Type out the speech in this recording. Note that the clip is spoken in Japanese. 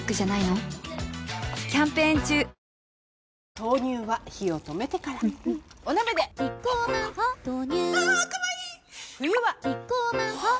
豆乳は火を止めてからうんうんお鍋でキッコーマン「ホッ」豆乳あかわいい冬はキッコーマン「ホッ」